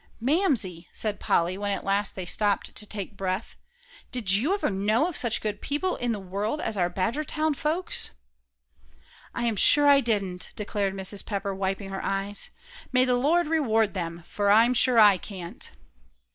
"Mamsie," said Polly, when at last they stopped to take breath, "did you ever know of such good people in the world as our Badgertown folks?" "I'm sure I didn't," declared Mrs. Pepper, wiping her eyes. "May the Lord reward them, for I'm sure I can't."